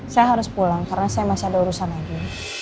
saya harus pulang karena saya masih ada urusan lagi